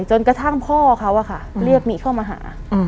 จนกระทั่งพ่อเขาเรียกหมีเข้ามาหา